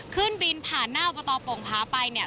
ขึ้นบินผ่านหน้าอบตโป่งพาไปเนี่ย